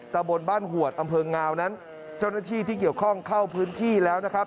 ตะบนบ้านหวดอำเภองาวนั้นเจ้าหน้าที่ที่เกี่ยวข้องเข้าพื้นที่แล้วนะครับ